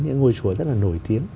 những ngôi chùa rất là nổi tiếng